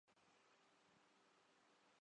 عقیدہ اور یقین اپنا اپنا ہوتا ہے۔